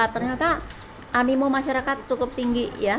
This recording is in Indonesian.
ternyata animo masyarakat cukup tinggi ya